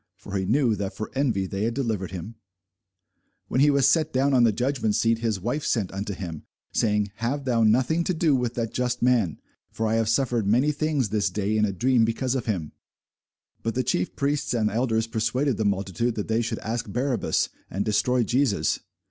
For he knew that for envy they had delivered him. [Illustration: THE DESCENT FROM THE CROSS, BY RUBENS IN THE CATHEDRAL, ANTWERP] When he was set down on the judgment seat, his wife sent unto him, saying, Have thou nothing to do with that just man: for I have suffered many things this day in a dream because of him. But the chief priests and elders persuaded the multitude that they should ask Barabbas, and destroy Jesus.